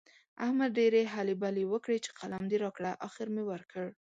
احمد ډېرې هلې بلې وکړې چې قلم دې راکړه؛ اخېر مې ورکړ.